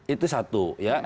itu satu ya